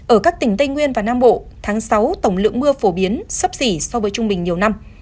ở các tỉnh tây nguyên và nam bộ tháng sáu tổng lượng mưa phổ biến sấp xỉ so với trung bình nhiều năm